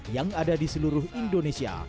yang ada di seluruh indonesia